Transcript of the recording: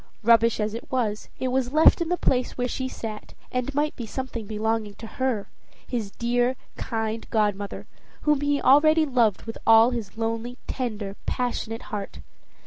Rubbish as it was, it was left in the place where she sat, and might be something belonging to her his dear, kind godmother, whom already he loved with all his lonely, tender, passionate heart.